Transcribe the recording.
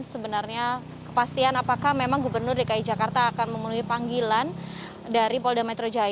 sebenarnya kepastian apakah memang gubernur dki jakarta akan memenuhi panggilan dari polda metro jaya